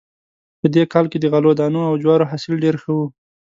په دې کال کې د غلو دانو او جوارو حاصل ډېر ښه و